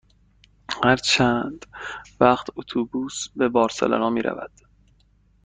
هر چند وقت اتوبوس به بارسلونا می رود؟